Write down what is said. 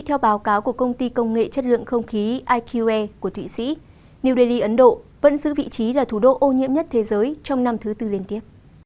theo báo cáo của công ty công nghệ chất lượng không khí iqe của thụy sĩ new delhi ấn độ vẫn giữ vị trí là thủ đô ô nhiễm nhất thế giới trong năm thứ tư liên tiếp